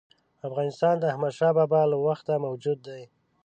افغانستان د احمدشاه بابا له وخته موجود دی.